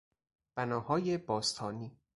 بناهای باستانی